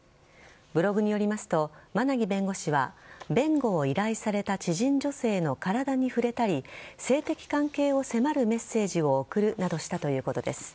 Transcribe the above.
ブログによりますと馬奈木弁護士は弁護を依頼された知人女性の体に触れたり性的関係を迫るメッセージを送るなどしたということです。